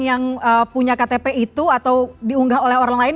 yang punya ktp itu atau diunggah oleh orang lain